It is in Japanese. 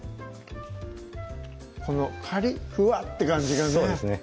このかりっふわって感じがね